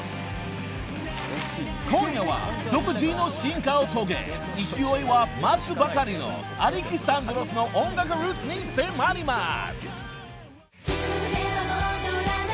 ［今夜は独自の進化を遂げ勢いは増すばかりの［Ａｌｅｘａｎｄｒｏｓ］の音楽ルーツに迫ります］